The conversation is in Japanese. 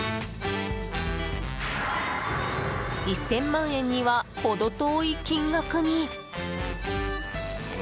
１０００万円には程遠い金額に。